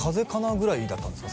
ぐらいだったんですか？